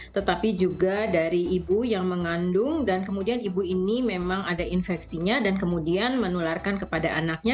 tetapi juga dari ibu yang mengandung dan kemudian ibu ini memang ada infeksinya dan kemudian menularkan kepada anaknya